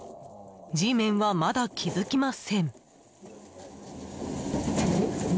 Ｇメンはまだ気づきません。